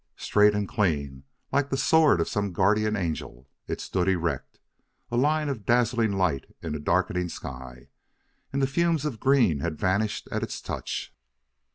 Straight and clean, like the sword of some guardian angel, it stood erect a line of dazzling light in a darkening sky. And the fumes of green had vanished at its touch.